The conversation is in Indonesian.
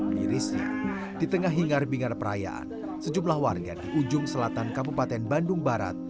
mirisnya di tengah hingar bingar perayaan sejumlah warga di ujung selatan kabupaten bandung barat